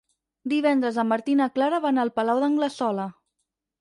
Divendres en Martí i na Clara van al Palau d'Anglesola.